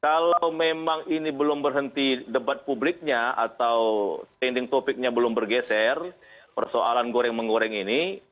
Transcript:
kalau memang ini belum berhenti debat publiknya atau standing topicnya belum bergeser persoalan goreng menggoreng ini